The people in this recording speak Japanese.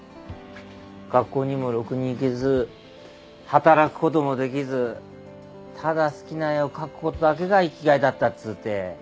学校にもろくに行けず働くこともできずただ好きな絵を描くことだけが生きがいだったっつうて。